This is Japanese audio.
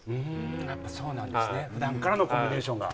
やっぱりそうなんですね、ふだんからのコンビネーションが。